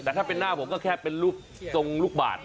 แต่ถ้าเป็นหน้าผมก็แค่เป็นรูปทรงลูกบาท